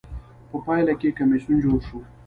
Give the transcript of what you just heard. په پایله کې کمېسیون جوړ شو.